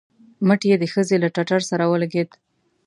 مټ يې د ښځې له ټټر سره ولګېد.